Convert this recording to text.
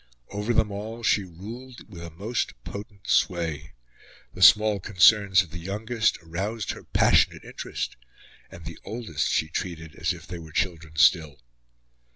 Over them all she ruled with a most potent sway. The small concerns of the youngest aroused her passionate interest; and the oldest she treated as if they were children still.